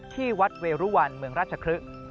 ที่วัฒน์เวรุวันมรจค